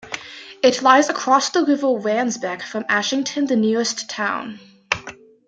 It lies across the River Wansbeck from Ashington, the nearest town.